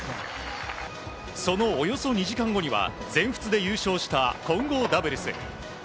そのおよそ２時間後には全仏で優勝した混合ダブルス。